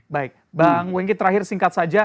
baik bang wengki terakhir singkat saja